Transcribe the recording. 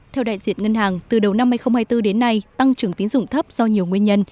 theo đại diện ngân hàng từ đầu năm hai nghìn hai mươi bốn đến nay tăng trưởng tín dụng thấp do nhiều nguyên nhân